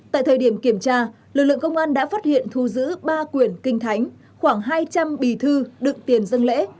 tại thời điểm kiểm tra lực lượng công an đã phát hiện thu giữ ba quyển kinh thánh khoảng hai trăm linh bì thư đựng tiền dân lễ